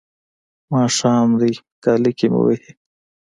ماښام دی کاله کې مې وهي.